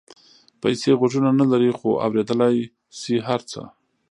پیسې غوږونه نه لري خو اورېدلای شي هر څه.